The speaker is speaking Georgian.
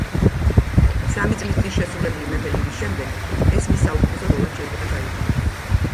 სამი წლის წინ შესრულებული მეფე ლირის შემდეგ, ეს მის საუკეთესო როლად შეიძლება ჩაითვალოს.